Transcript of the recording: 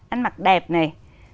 ăn mặc đẹp này